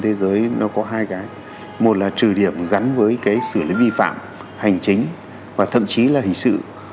thế giới nó có hai cái một là trừ điểm gắn với cái xử lý vi phạm hành chính và thậm chí là hình sự